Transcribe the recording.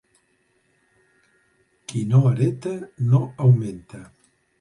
Qui no hereta, no augmenta.